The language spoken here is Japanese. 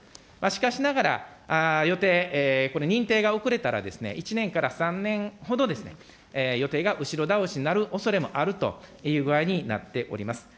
しかしながら、予定、これ、認定が遅れたら、１年から３年ほど、予定が後ろ倒しになるおそれもあるという具合になっております。